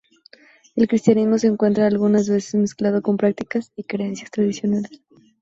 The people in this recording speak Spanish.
El cristianismo se encuentra algunas veces mezclado con prácticas y creencias tradicionales.